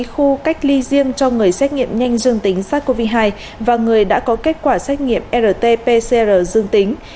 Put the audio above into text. hai khu cách ly riêng cho người xét nghiệm nhanh dương tính sars cov hai và người đã có kết quả xét nghiệm rt pcr dương tính